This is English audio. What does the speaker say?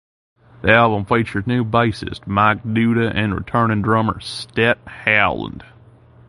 The album also featured new bassist Mike Duda and returning drummer Stet Howland.